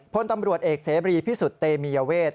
พลตำรวจเอกเสบรีพิสุทธิ์เตมียเวท